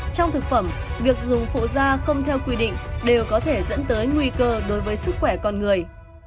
trong thực phẩm việc dùng phụ da không theo quy định đều có thể dẫn tới nguy cơ đối với sức khỏe con người